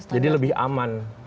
jadi lebih aman